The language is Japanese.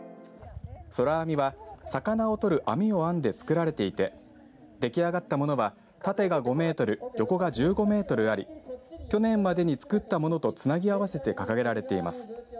そらあみは魚を取る網を編んで作られていて出来上がったものは縦５メートル横が１５メートルあり去年までに作ったものとつなぎ合わせて掲げられています。